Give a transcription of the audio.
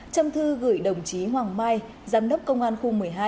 châm thư gửi đồng chí hoàng mai giám đốc công an khu một mươi hai